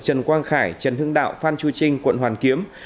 trần quang khải trần hưng đạo phan chu trinh quận hoàn kiếm